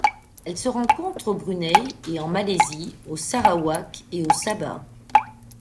Elle se rencontre au Brunei et en Malaisie au Sarawak et au Sabah.